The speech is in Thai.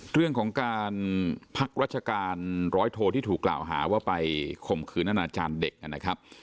เรื่องของการพักราชการร้อยโทที่ถูกกล่าวหาว่าไปข่มขืนอนาจารย์เด็กนะครับ